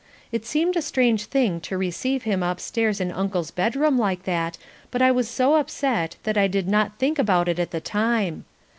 It seemed a strange thing to receive him upstairs in Uncle's bedroom like that, but I was so upset that I did not think about it at the time.